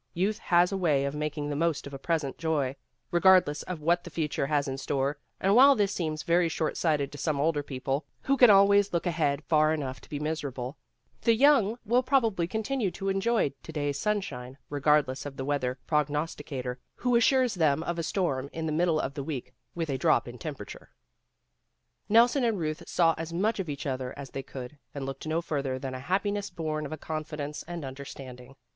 Youth has a way of making the most of a present joy, regardless of what the future has in store, and while this seems very short GOOD BY 171 sighted to some older people, who can always look ahead far enough to be miserable, the young will probably continue to enjoy to day's sunshine regardless of the weather prognosti cator, who assures them of a storm in the middle of the week with a drop in temperature. Nelson and Euth saw as much of each other as they could, and looked no further than a happi ness born of a confidence and understanding.